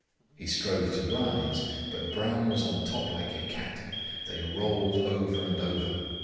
He strove to rise, but Brown was on top like a cat. They rolled over and over.